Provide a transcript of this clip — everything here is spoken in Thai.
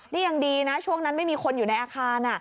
นี่ยังดีนะช่วงนั้นไม่มีคนอยู่ในอาคาร